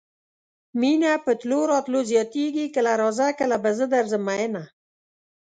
مينه په تلو راتلو زياتيږي کله راځه کله به زه درځم مينه